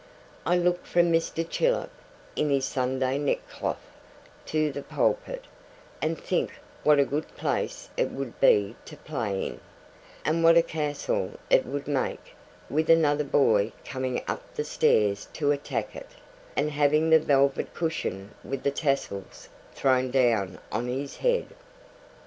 I look from Mr. Chillip, in his Sunday neckcloth, to the pulpit; and think what a good place it would be to play in, and what a castle it would make, with another boy coming up the stairs to attack it, and having the velvet cushion with the tassels thrown down on his head.